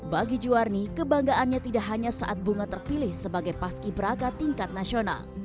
bagi juwarni kebanggaannya tidak hanya saat bunga terpilih sebagai pas ki braka tingkat nasional